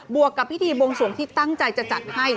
วกกับพิธีบวงสวงที่ตั้งใจจะจัดให้